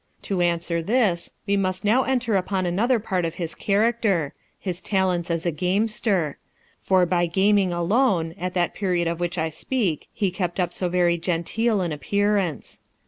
To answer this, we must now enter upon another part of his character, his talents as a gamester ; for hy gaming alone, at that period of which I speak, he kept up so very genteel an appearance.